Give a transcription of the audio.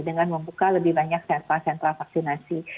dengan membuka lebih banyak sentral sentral vaksinasi